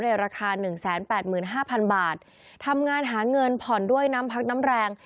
ในราคา๑๘๕๐๐๐บาททำงานหาเงินผ่อนด้วยน้ำพักน้ำแรง